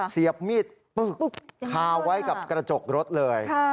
เสียบมีดปึ๊กคาไว้กับกระจกรถเลย